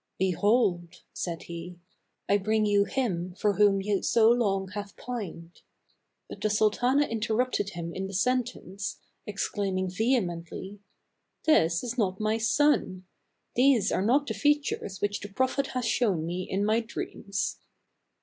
" Behold," said he, "I bring you him for whom you so long have pined." But the sultana inter rupted him in the sentence, exclaiming vehe mently, "This is not my son. These are not the features which the Prophet has shown me in my dreams."